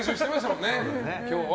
今日は